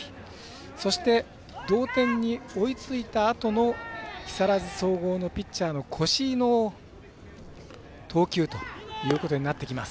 そして、同点に追いついたあとの木更津総合のピッチャーの越井の投球ということになってきます。